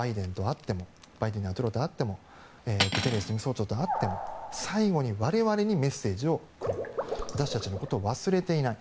バイデン大統領と会ってもグテーレス事務総長と会っても最後に我々にメッセージをくれる私たちのことを忘れていない。